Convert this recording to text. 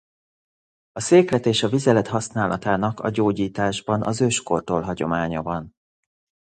A széklet és a vizelet használatának a gyógyításban az őskortól hagyománya van.